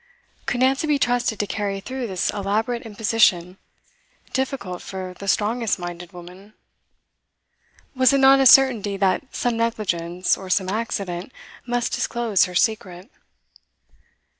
Could Nancy be trusted to carry through this elaborate imposition difficult for the strongest minded woman? Was it not a certainty that some negligence, or some accident, must disclose her secret?